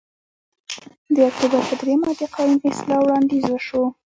د اکتوبر په درېیمه د قانون اصلاح وړاندیز وشو